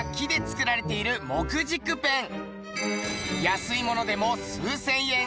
安いものでも数千円